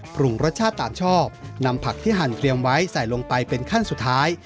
ปรุงรสชาติตามชอบนำผักที่หั่นเตรียมไว้ใส่ลงไปเป็นขั้นสุดท้าย